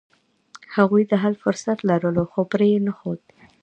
هغوی د حل فرصت لرلو، خو پرې یې نښود.